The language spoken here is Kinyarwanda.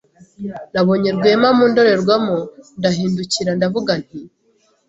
Nabonye Rwema mu ndorerwamo ndahindukira ndavuga nti.